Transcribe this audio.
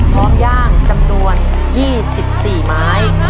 พร้อมย่างจำนวน๒๔ไม้